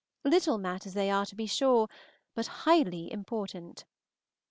Little matters they are, to be sure, but highly important.